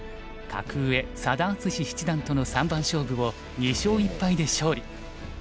格上佐田篤史七段との三番勝負を２勝１敗で勝利。